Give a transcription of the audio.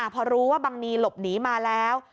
พอรู้ว่าบังนีหลบหนีมาแล้ว